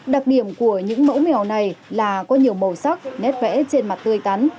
đặc điểm của những mẫu mèo này là có nhiều màu sắc nét vẽ trên mặt tươi cắn